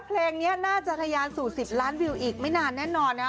เพลงนี้น่าจะทะยานสู่๑๐ล้านวิวอีกไม่นานแน่นอนนะ